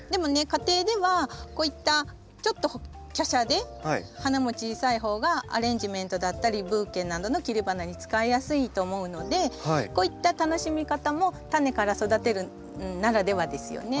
家庭ではこういったちょっと華奢で花も小さい方がアレンジメントだったりブーケなどの切り花に使いやすいと思うのでこういった楽しみ方もタネから育てるならではですよね。